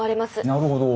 なるほど。